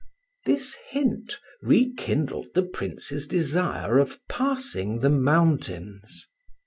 This hint rekindled the Prince's desire of passing the mountains.